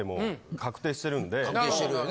確定してるよな。